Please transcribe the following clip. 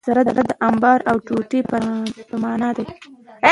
سره د انبار او ټوټي په مانا ده.